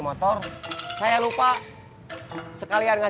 maaf mengganggu perjalanan